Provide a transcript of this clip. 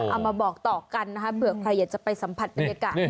มาบอกต่อกันนะคะเผื่อใครอยากจะไปสัมผัสบรรยากาศ